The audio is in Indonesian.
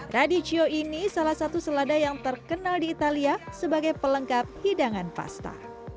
radicio ini salah satu selada yang terkenal di italia sebagai pelengkap hidangan pasta